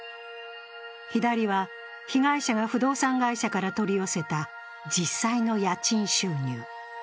左は、被害者が不動産会社から取り寄せた実際の家賃収入。